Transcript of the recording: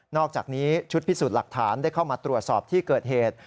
อกจากนี้ชุดพิสูจน์หลักฐานได้เข้ามาตรวจสอบที่เกิดเหตุ